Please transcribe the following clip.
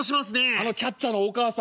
「あのキャッチャーのお母さん